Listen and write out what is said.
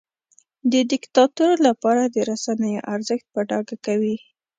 د دیکتاتور لپاره د رسنیو ارزښت په ډاګه کوي.